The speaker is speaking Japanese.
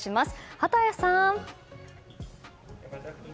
幡谷さん。